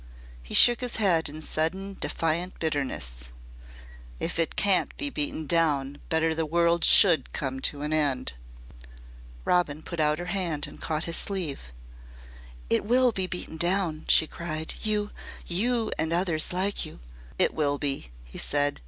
He shook his head in sudden defiant bitterness. "If it can't be beaten down, better the world should come to an end." Robin put out her hand and caught his sleeve. "It will be beaten down," she cried. "You you and others like you " "It will be," he said.